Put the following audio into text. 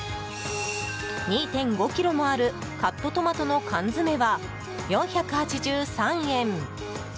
２５ｋｇもあるカットトマトの缶詰は４８３円。